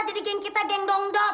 jadi geng kita geng dongdok